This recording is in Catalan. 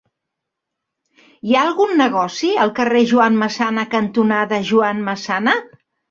Hi ha algun negoci al carrer Joan Massana cantonada Joan Massana?